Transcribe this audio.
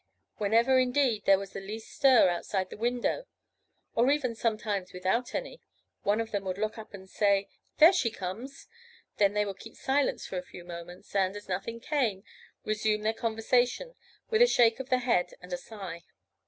Whenever, indeed, there was the least stir outside the window, or even sometimes without any, one of them would look up and say, "There she comes." Then they would keep silence for a few moments, and as nothing came, resume their conversation, with a shake of the head and a sigh.